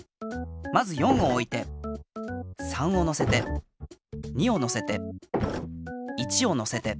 まず４をおいて３をのせて２をのせて１をのせて。